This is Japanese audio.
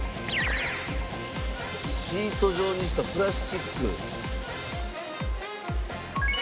シート状にしたプラスチック。